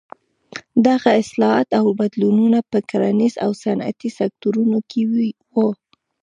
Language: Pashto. دغه اصلاحات او بدلونونه په کرنیز او صنعتي سکتورونو کې وو.